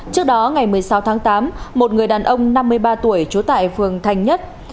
trước đó ngày một mươi sáu tháng tám một người đàn ông năm mươi ba tuổi trú tại phường thành nhất